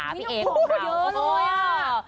อู้ยยยยหูยยยเยอะเลยค่ะ